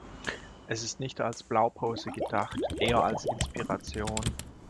Es ist nicht als Blaupause gedacht, eher als Inspiration.